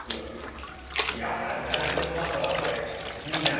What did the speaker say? タルタルとトマトはこれちょっと罪だな。